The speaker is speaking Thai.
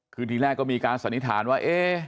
คือทีแรกก็มีการสันนิษฐานว่า